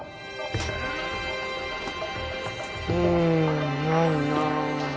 うーんないなあ。